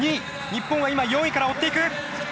日本は今４位から追っていく！